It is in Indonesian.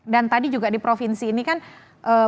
dan tadi juga di provinsi ini kan bahkan harus dikonsumsi